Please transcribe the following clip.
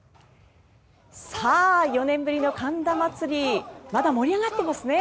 ４年ぶりの神田祭まだ盛り上がってますね。